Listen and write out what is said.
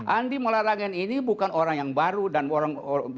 andi melarangin ini bukan orang yang baru dan orang